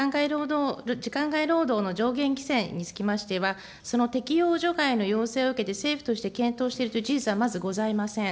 時間外労働の上限規制につきましては、その適用除外の要請を受けて、政府として検討しているという事実はまずございません。